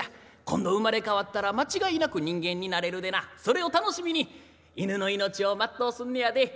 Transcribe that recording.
今度生まれ変わったら間違いなく人間になれるでなそれを楽しみに犬の命を全うすんのやで。